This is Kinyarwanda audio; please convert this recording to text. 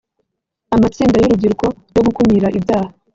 amatsinda y’ urubyiruko yo gukumira ibyaha